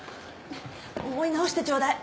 思い直してちょうだい。